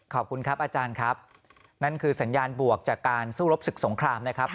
ขอบคุณครับอาจารย์ครับนั่นคือสัญญาณบวกจากการสู้รบศึกสงครามนะครับ